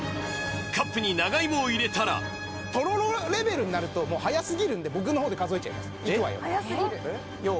カップに長いもを入れたらとろろレベルになるともうはやすぎるんで僕の方で数えちゃいますいくわよ